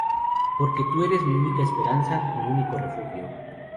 Porque tú eres mi única esperanza, mi único refugio.